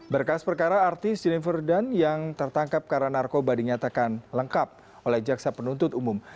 berkas perkara artis jennifer dunn yang tertangkap karena narkoba dinyatakan lengkap oleh jaksa penuntut umum